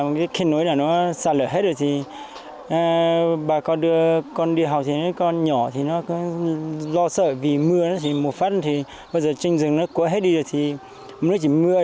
những kết nối là nó xa lở hết rồi thì bà con đưa con đi học thì những con nhỏ thì nó lo sợ vì mưa nó chỉ một phát thì bây giờ trên rừng nó có hết đi rồi thì mưa chỉ mưa